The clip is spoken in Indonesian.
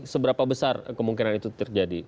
seberapa besar kemungkinan itu terjadi